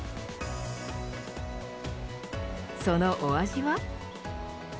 そのお味は。